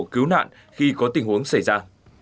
cứu nạn khi có tình huống xảy ra